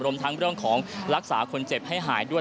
รวมทั้งเรื่องของรักษาคนเจ็บให้หายด้วย